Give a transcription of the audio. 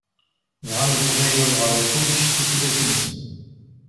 Bɣan Leqbayel ad ɣṛen kullec s tutlayt-nsen.